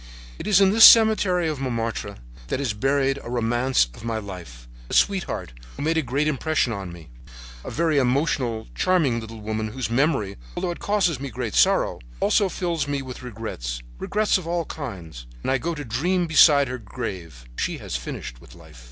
"It is in this cemetery of Montmartre that is buried a romance of my life, a sweetheart who made a great impression on me, a very emotional, charming little woman whose memory, although it causes me great sorrow, also fills me with regrets—regrets of all kinds. And I go to dream beside her grave. She has finished with life.